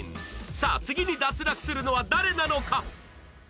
さあ次に脱落するのは誰なのか？